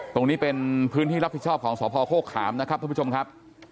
ตรงนี้เป็นพื้นที่รับผิดชอบของสพโฆขามนะครับท่านผู้ชมครับ